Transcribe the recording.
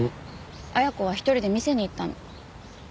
恵子は１人で見せに行ったの。